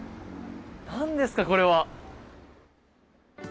なんですか、これは。